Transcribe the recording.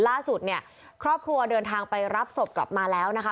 ล่าสุดเนี่ยครอบครัวเดินทางไปรับศพกลับมาแล้วนะคะ